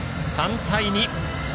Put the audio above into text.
３対２。